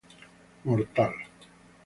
mortal